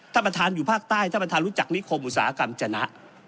ท่านประธานอยู่ภาคใต้ท่านประธานรู้จักนิคมอุตสาหกรรมจนะ